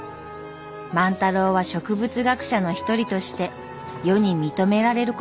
万太郎は植物学者の一人として世に認められることになりました。